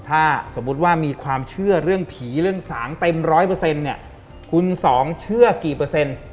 ถ้าสมมุติว่ามีความเชื่อเรื่องผีเรื่องสางเต็ม๑๐๐คุณสองเชื่อกี่เปอร์เซ็นต์